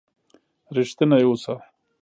رښتينی اوسه